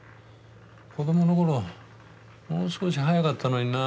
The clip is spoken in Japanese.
子どもの頃もう少し速かったのにな。